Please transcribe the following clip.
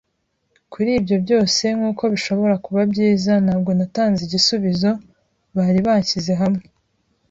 Kuri ibyo byose, nkuko bishobora kuba byiza, ntabwo natanze igisubizo. Bari banshyize hamwe